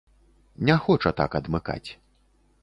Не хоча так адмыкаць.